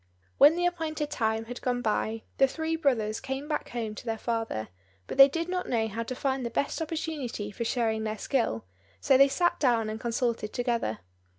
When the appointed time had gone by, the three brothers came back home to their father; but they did not know how to find the best opportunity for showing their skill, so they sat down and consulted together.